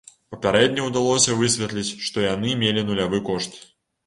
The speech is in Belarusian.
Папярэдне ўдалося высветліць, што яны мелі нулявы кошт.